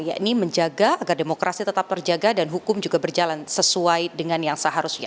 yakni menjaga agar demokrasi tetap terjaga dan hukum juga berjalan sesuai dengan yang seharusnya